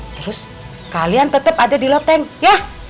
terus kalian tetap ada di loteng yah